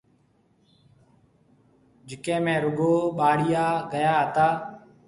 جڪَي ۾ رُگو ٻاليان گيا ھتا۔